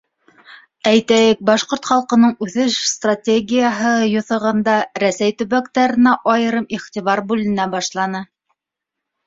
Әйтәйек, Башҡорт халҡының үҫеш стратегияһы юҫығында Рәсәй төбәктәренә айырым иғтибар бүленә башланы.